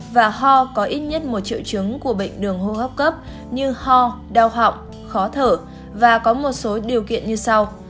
và ho có ít nhất một triệu chứng của bệnh đường hô hấp cấp như ho đau họng khó thở và có một số điều kiện như sau